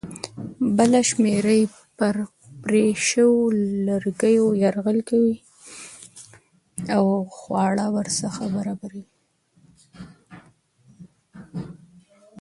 بله شمېره یې پر پرې شویو لرګیو یرغل کوي او خواړه ورڅخه برابروي.